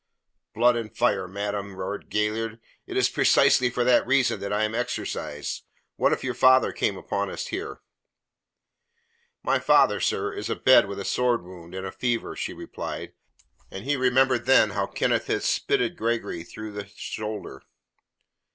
"Blood and fire, madam," roared Galliard, "it is precisely for that reason that I am exercised. What if your father came upon us here?" "My father, sir, is abed with a sword wound and a fever," she replied, and he remembered then how Kenneth had spitted Gregory through the shoulder.